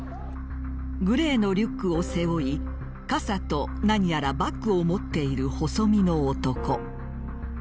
グレーのリュックを背負い傘と、何やらバッグを持っている細身の男。